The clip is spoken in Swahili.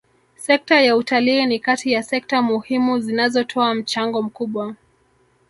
Sekta ya utalii ni kati ya sekta muhimu zinazotoa mchango mkubwa